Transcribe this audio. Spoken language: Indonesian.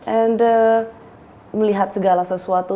anda melihat segala sesuatu